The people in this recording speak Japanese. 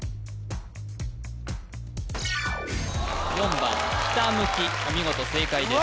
４番ひたむきお見事正解です